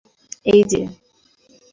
এই যে।